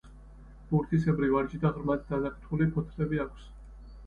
ბურთისებრი ვარჯი და ღრმად დანაკვთული ფოთლები აქვს.